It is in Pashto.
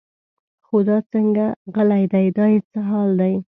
خو دا څنګه غلی دی دا یې څه حال دی.